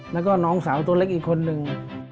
แล้วก็น้องสาวตัวเล็กอีกคนนึง